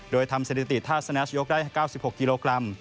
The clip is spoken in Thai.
โดยทำเศรษฐิติท่าสนัชยกได้๙๖กิโลกรัม